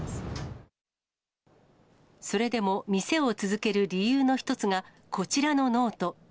それでも店を続ける理由の一つが、こちらのノート。